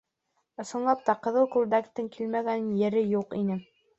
Ысынлап та, ҡыҙыл күлдәктең килмәгән ере юҡ ине.